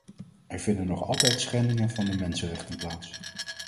Er vinden nog altijd schendingen van de mensenrechten plaats.